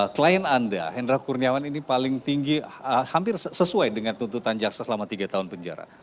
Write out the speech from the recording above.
klien anda hendra kurniawan ini paling tinggi hampir sesuai dengan tuntutan jaksa selama tiga tahun penjara